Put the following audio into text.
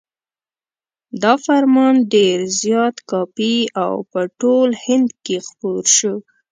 دا فرمان ډېر زیات کاپي او په ټول هند کې خپور شو.